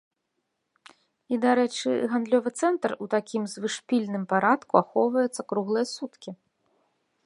І, дарэчы, гандлёвы цэнтр у такім звышпільным парадку ахоўваецца круглыя суткі.